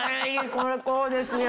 これこうですよ。